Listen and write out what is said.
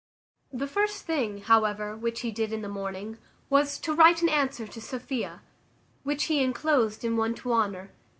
The first thing, however, which he did in the morning, was, to write an answer to Sophia, which he inclosed in one to Honour.